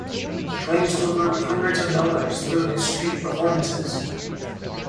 He claims to have earned hundreds of dollars through his street performances.